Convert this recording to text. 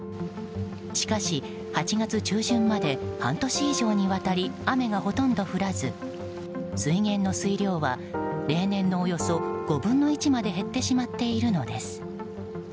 しかし、８月中旬まで半年以上にわたり雨がほとんど降らず水源の水量は例年の、およそ５分の１まで減ってしまっているのです。